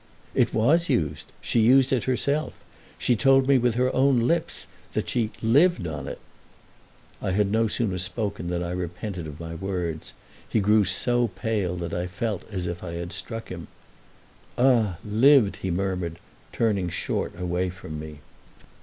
"It was used. She used it herself. She told me with her own lips that she 'lived' on it." I had no sooner spoken than I repented of my words; he grew so pale that I felt as if I had struck him. "Ah, 'lived'—!" he murmured, turning short away from me.